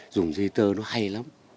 dùng dây tơ nó hay lắm